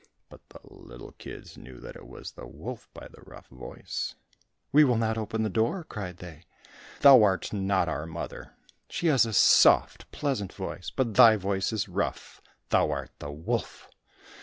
But the little kids knew that it was the wolf, by the rough voice; "We will not open the door," cried they, "thou art not our mother. She has a soft, pleasant voice, but thy voice is rough; thou art the wolf!"